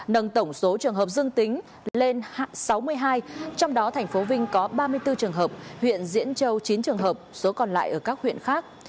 nâng tổng số trường hợp dương tính lên sáu mươi hai trong đó thành phố vinh có ba mươi bốn trường hợp huyện diễn châu chín trường hợp số còn lại ở các huyện khác